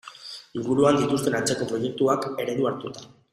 Inguruan dituzten antzeko proiektuak eredu hartuta.